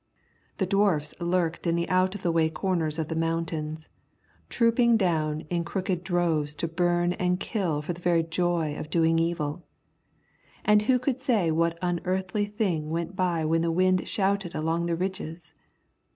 The Dwarfs lurked in the out of the way corners of the mountains, trooping down in crooked droves to burn and kill for the very joy of doing evil. And who could say what unearthly thing went by when the wind shouted along the ridges?